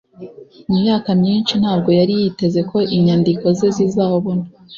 Mu myaka myinshi ntabwo yari yiteze ko inyandiko ze zizabona